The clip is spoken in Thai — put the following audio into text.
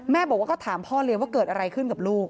บอกว่าก็ถามพ่อเลี้ยงว่าเกิดอะไรขึ้นกับลูก